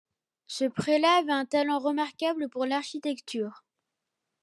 Ce prélat avait un talent remarquable pour l'architecture.